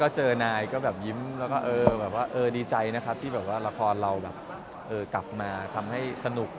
เจอนายยิ้มดีใจที่ราคาเรากลับมาทำให้สนุก